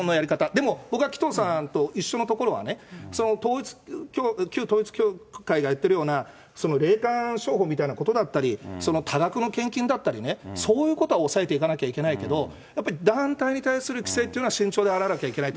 でも、僕は紀藤さんと一緒のところは、旧統一教会がやってるような、霊感商法みたいなことだったり、その多額の献金だったりね、そういうことはおさえていかなきゃいけないけれども、やっぱり団体に対する規制というのは慎重であらなければいけない